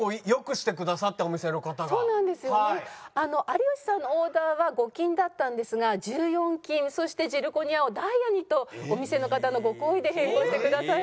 有吉さんのオーダーは５金だったんですが１４金そしてジルコニアをダイヤにとお店の方のご厚意で変更してくださいまして。